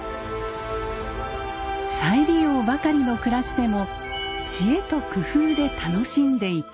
再利用ばかりの暮らしでも知恵と工夫で楽しんでいた。